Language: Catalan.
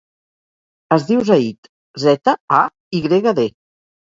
Es diu Zayd: zeta, a, i grega, de.